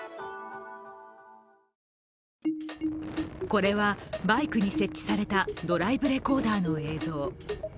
これはバイクに設置されたドライブレコーダーの映像。